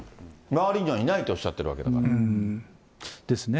周りにはいないとおっしゃってるわけだから。ですね。